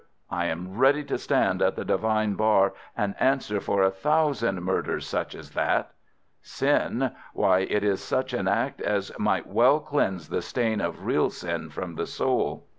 I am ready to stand at the Divine bar and answer for a thousand murders such as that! Sin! Why, it is such an act as might well cleanse the stain of real sin from the soul.